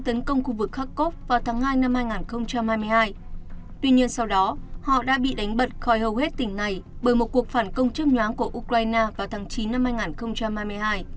tuy nhiên sau đó họ đã bị đánh bật khỏi hầu hết tỉnh này bởi một cuộc phản công chấp nhóa của ukraine vào tháng chín năm hai nghìn hai mươi hai